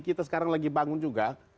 kita sekarang lagi bangun juga